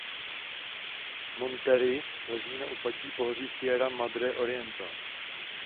Monterrey leží na úpatí pohoří Sierra Madre Oriental.